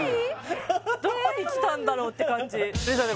どこに来たんだろうって感じ里依紗ちゃん